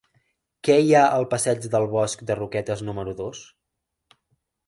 Què hi ha al passeig del Bosc de Roquetes número dos?